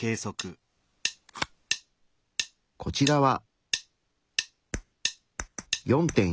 こちらは。